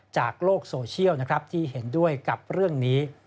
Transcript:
จากโลกโซเชียลนะครับที่เห็นด้วยกับเรื่องนี้